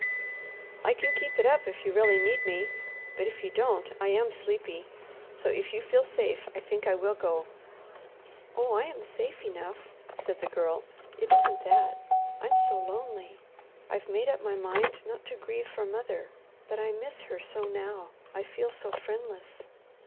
"I can keep it up if you really need me, but if you don't I am sleepy. So, if you feel safe, I think I will go." "Oh I am safe enough," said the Girl. "It isn't that. I'm so lonely. I've made up my mind not to grieve for mother, but I miss her so now. I feel so friendless."